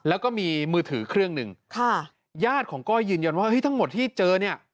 แล้วก็มีมือถือเครื่องหนึ่งค่ะญาติของก้อยยืนยันว่าเฮ้ยทั้งหมดที่เจอเนี่ย